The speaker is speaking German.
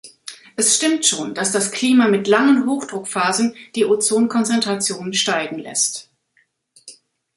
Es stimmt schon, dass das Klima mit langen Hochdruckphasen die Ozonkonzentration steigen lässt.